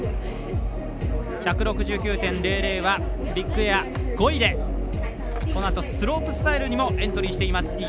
１６９．００はビッグエア５位でこのあとスロープスタイルにもエントリーしています。